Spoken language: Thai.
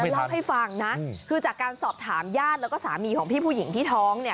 เล่าให้ฟังนะคือจากการสอบถามญาติแล้วก็สามีของพี่ผู้หญิงที่ท้องเนี่ย